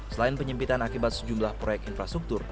selain penyempitan akibat sejumlah proyek infrastruktur